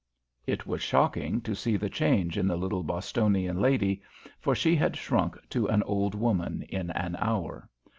It was shocking to see the change in the little Bostonian lady, for she had shrunk to an old woman in an hour.